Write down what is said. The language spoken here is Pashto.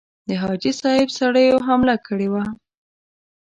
د حاجي صاحب سړیو حمله کړې وه.